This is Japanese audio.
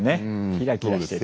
キラキラしてた。